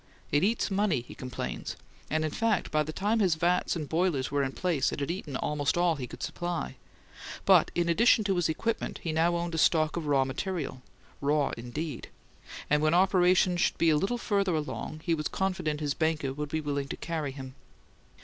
"It eats money," he complained, and, in fact, by the time his vats and boilers were in place it had eaten almost all he could supply; but in addition to his equipment he now owned a stock of "raw material," raw indeed; and when operations should be a little further along he was confident his banker would be willing to "carry" him.